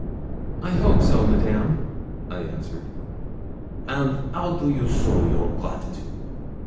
'I hope so, Madame,' I answered. 'And how do you show your gratitude?